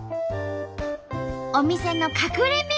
お店の隠れ名物。